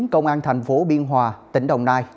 công an thành phố biên hòa tỉnh đồng nai